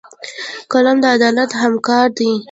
قلم د عدالت همکار دی